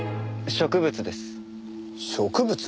植物？